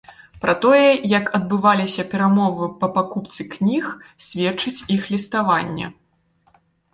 Пра тое, як адбываліся перамовы па пакупцы кніг, сведчыць іх ліставанне.